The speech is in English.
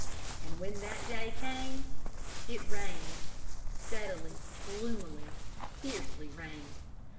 And when that day came, it rained; steadily, gloomily, fiercely rained.